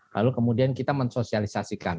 lalu kemudian kita mensosialisasikan